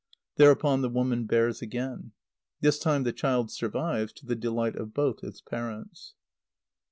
Thereupon the woman bears again. This time the child survives, to the delight of both its parents.